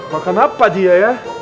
makan apa dia ya